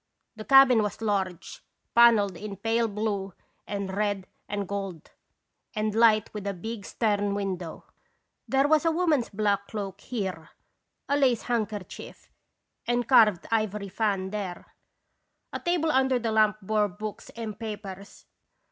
The cabin was large, panelled in pale blue and red and gold, and light with a big stern window. There was a woman's long black cloak here, a lace handkerchief and carved ivory fan there. A table under the lamp bore books and papers.